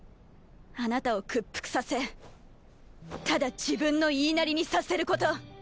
あなたを屈服させただ自分の言いなりにさせること。